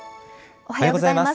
おはようございます。